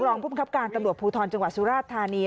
รองผู้บังคับการตำรวจภูทรจังหวัดสุราชธานี